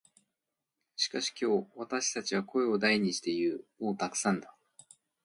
しかし今日、私たちは声を大にして言う。「もうたくさんだ」。